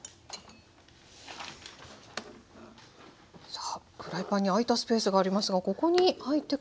さあフライパンに空いたスペースがありますがここに入ってくるのが。